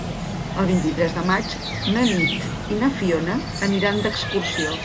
El vint-i-tres de maig na Nit i na Fiona aniran d'excursió.